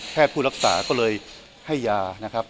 ผู้รักษาก็เลยให้ยานะครับ